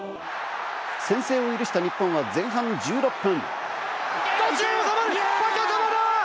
先制を許した日本は前半１６分。